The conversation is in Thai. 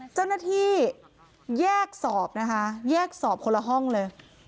เจ้าหน้าที่แยกสอบนะคะแยกสอบคนละห้องเลย